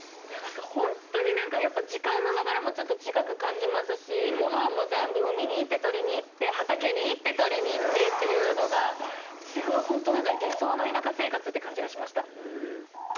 いや何かホントにやっぱ時間の流れもちょっと違く感じますしご飯も全部海に行ってとりに行って畑に行ってとりに行ってっていうのがすごいホント理想の田舎生活って感じがしました